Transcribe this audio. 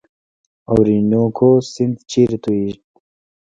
اورینوکو سیند چیرې تویږي؟